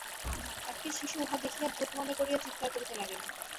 একটি শিশু উহা দেখিয়া ভূত মনে করিয়া চীৎকার করিতে লাগিল।